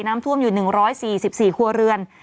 น้ำท่วมอยู่๑๔๔ครัวเรือน